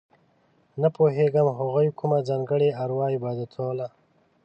نه پوهېږو هغوی کومه ځانګړې اروا عبادتوله.